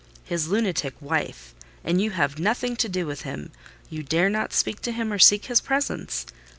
His lunatic wife: and you have nothing to do with him: you dare not speak to him or seek his presence.